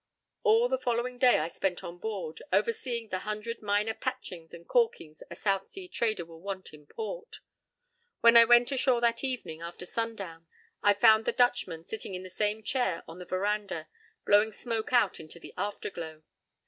p> All the following day I spent on board, overseeing the hundred minor patchings and calkings a South Sea trader will want in port. When I went ashore that evening, after sundown, I found the Dutchman sitting in the same chair on the veranda, blowing smoke out into the afterglow.